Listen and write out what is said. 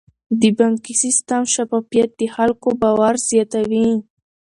د بانکي سیستم شفافیت د خلکو باور زیاتوي.